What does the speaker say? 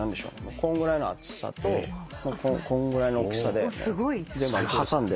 こんぐらいの厚さとこんぐらいの大きさで全部挟んで。